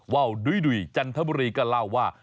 ว่าวดุ้ยจันทบุรีก็เล่าว่า